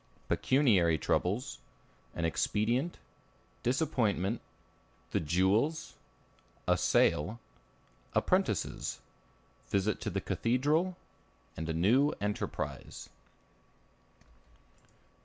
Pecuniary Troubles. An Expedient. Disappointment. The Jewels. A Sale. Apprentices. Visit to the Cathedral. A New Enterprise.